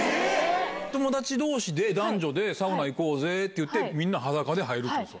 友達どうしで男女で、サウナ行こうぜっていって、みんな裸で入るってことですか？